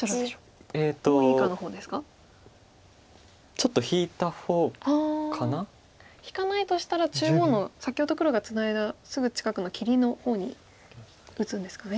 ちょっと引いた方かな？引かないとしたら中央の先ほど黒がツナいだすぐ近くの切りの方に打つんですかね。